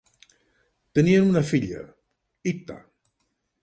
Tenien una filla: Itta.